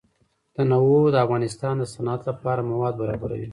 تنوع د افغانستان د صنعت لپاره مواد برابروي.